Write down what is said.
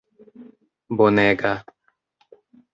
bonega